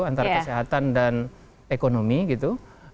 antara kesehatan dan ekonomi gitu